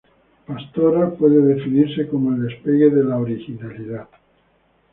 Pastora puede definirse como el despegue de la originalidad.